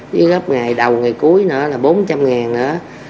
với gấp ngày đầu ngày cuối nữa là bốn trăm linh ngàn nữa